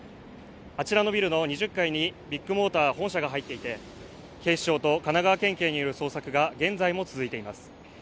あちらのビルの２０階にビッグモーター本社が入っていて警視庁と神奈川県警による捜索が現在も続いています